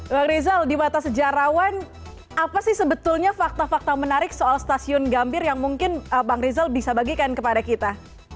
bang rizal di mata sejarawan apa sih sebetulnya fakta fakta menarik soal stasiun gambir yang mungkin bang rizal bisa bagikan kepada kita